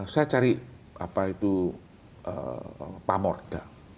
saya cari apa itu pamorda